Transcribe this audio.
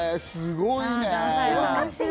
すごいね。